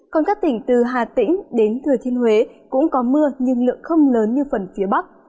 còn các tỉnh từ hà tĩnh đến thừa thiên huế cũng có mưa nhưng lượng không lớn như phần phía bắc